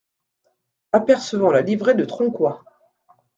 Apercevant la livrée de Tronquoy.